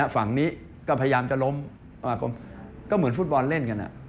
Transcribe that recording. ฝั่งนี้ก็พยายามจะล้มก็เหมือนฟุตบอลเล่นกัน